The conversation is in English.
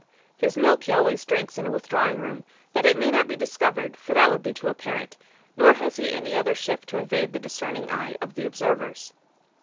His milk he always drinks in a withdrawing room, that it may not be discovered, for that would be too apparent, nor has he any other shift to evade the discerning eye of the observers.